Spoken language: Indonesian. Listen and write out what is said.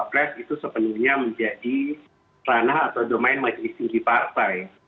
capres itu sepenuhnya menjadi ranah atau domain majelis tinggi partai